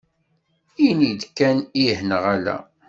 Ini-d kan ih neɣ ala.